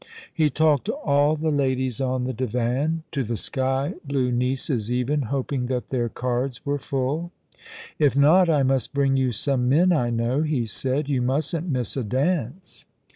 He talked to all the ladies on the divan ; to the sky blue nieces even, hoping that their cards were full. " If not, I must bring you some men I know," he said. " You mustn't miss a dance.''